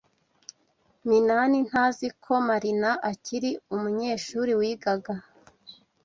Minani ntazi ko Marina akiri umunyeshuri wigaga.